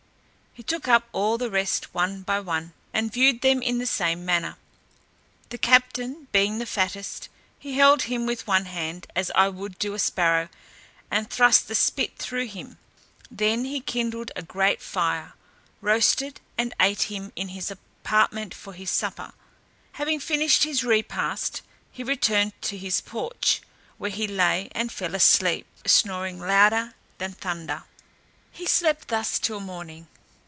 He took up all the rest one by one, and viewed them in the same manner. The captain being the fattest, he held him with one hand, as I would do a sparrow, and thrust a spit through him; he then kindled a great fire, roasted, and ate him in his apartment for his supper. Having finished his repast, he returned to his porch, where he lay and fell asleep, snoring louder than thunder. He slept thus till morning.